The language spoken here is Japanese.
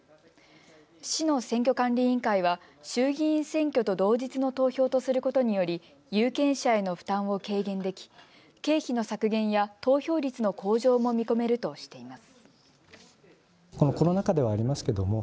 市の選挙管理委員会は衆議院選挙と同日の投票とすることにより有権者への負担を軽減でき経費の削減や投票率の向上も見込めるとしています。